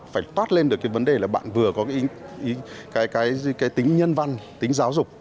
phải toát lên được cái vấn đề là bạn vừa có cái tính nhân văn tính giáo dục